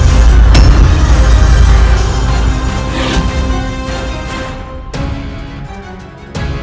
aku dilahirkan bukan menjadi penakut kuranda geni